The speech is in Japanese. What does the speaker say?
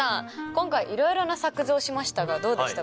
今回いろいろな作図をしましたがどうでしたか？